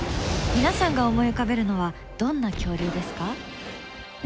皆さんが思い浮かべるのはどんな恐竜ですか？